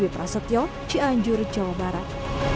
wipra setyo cianjur jawa barat